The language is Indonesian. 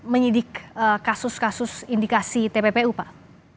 menyidik kasus kasus indikasi tppu pak